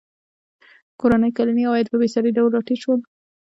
کورنیو کلني عواید په بېساري ډول راټیټ شول.